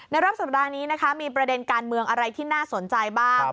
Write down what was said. รอบสัปดาห์นี้นะคะมีประเด็นการเมืองอะไรที่น่าสนใจบ้าง